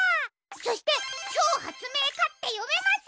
そして「ちょうはつめいか」ってよめます！